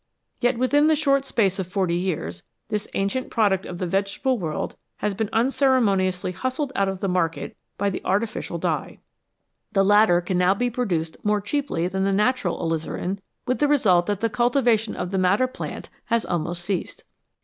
Yet within the short space of forty years this 253 HOW MAN COMPETES WITH NATURE ancient product of the vegetable world has been un ceremoniously hustled out of the market by the artificial dye. The latter can now be produced more cheaply than the natural alizarin, with the result that the cultivation of the madder plant has almost ceased.